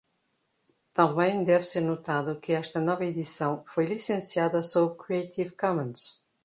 Também deve ser notado que esta nova edição foi licenciada sob Creative Commons.